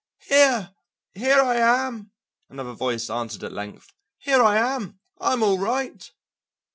"Here, here I am," another voice answered at length; "here I am, I'm all right."